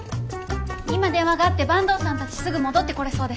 今電話があって坂東さんたちすぐ戻ってこれそうです。